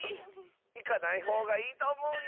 いかないほうがいいとおもうよ。